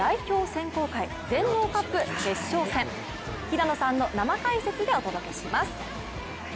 選考会全農カップ決勝戦、平野さんの生解説でお届けします。